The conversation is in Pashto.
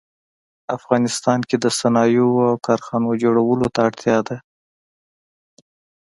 افغانستان کې د صنایعو او کارخانو جوړولو ته اړتیا ده